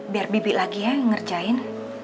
biar bibik lagi yang ngerjain